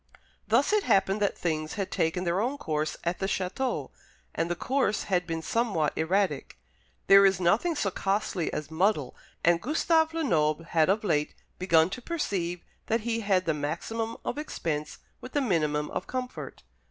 Thus it happened that things had taken their own course at the château, and the course had been somewhat erratic. There is nothing so costly as muddle, and Gustave Lenoble had of late begun to perceive that he had the maximum of expense with the minimum of comfort.